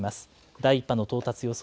第１波の到達予想